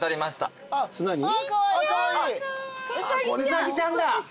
ウサギちゃん！